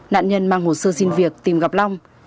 nạn nhân mang hồ sơ xin việc tìm gặp long